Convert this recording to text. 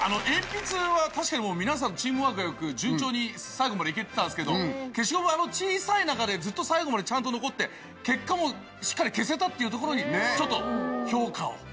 鉛筆は確かに皆さん、チームワークがよく、順調に最後までいけてたんですけど、消しゴムは、あの小さい中で、ずっと最後までちゃんと残って、結果もしっかり消せたっていうところにちょっと評価を。